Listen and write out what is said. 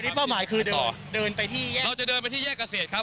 เป้าหมายคือเดินไปที่แยกเราจะเดินไปที่แยกเกษตรครับ